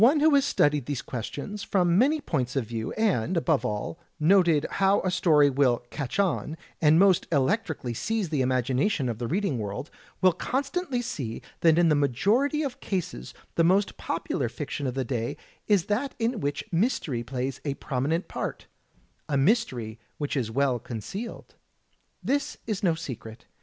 One who has studied these questions from many points of view, and, above all, noted how a story will "catch on," and almost electrically seize the imagination of the reading world, will constantly see that in the majority of cases the most popular fiction of the day is that in which mystery plays a prominent part — a mystery which is well concealed. This is no secret.